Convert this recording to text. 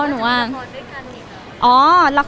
เก็บได้เกือบจะพันไล่แล้ว